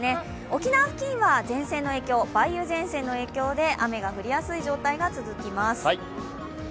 沖縄付近は梅雨前線の影響で雨が降りやすい状態が続きます。